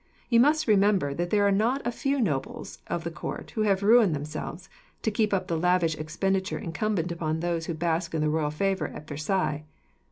You must remember that there are not a few nobles of the court who have ruined themselves, to keep up the lavish expenditure incumbent upon those who bask in the royal favour at Versailles.